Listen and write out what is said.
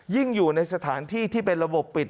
อยู่ในสถานที่ที่เป็นระบบปิด